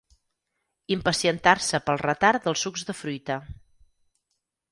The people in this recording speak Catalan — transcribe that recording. Impacientar-se pel retard dels sucs de fruita.